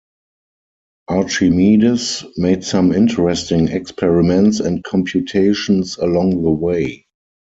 Archimedes made some interesting experiments and computations along the way.